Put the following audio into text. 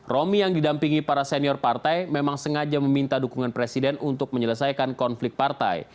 romi yang didampingi para senior partai memang sengaja meminta dukungan presiden untuk menyelesaikan konflik partai